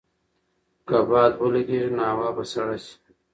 که باد ولګېږي نو هوا به سړه شي.